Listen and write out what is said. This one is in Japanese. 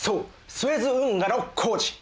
スエズ運河の工事！